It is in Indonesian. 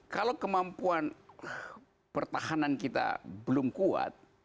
kalau kemampuan pertahanan kita belum kuat